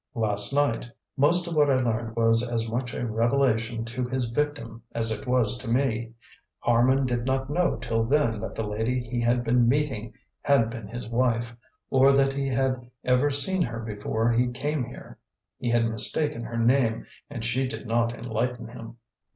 "Last night. Most of what I learned was as much a revelation to his victim as it was to me. Harman did not know till then that the lady he had been meeting had been his wife, or that he had ever seen her before he came here. He had mistaken her name and she did not enlighten him."